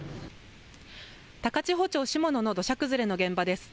高千穂町下野の土砂崩れの現場です。